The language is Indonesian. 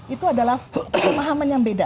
itu adalah pemahaman yang beda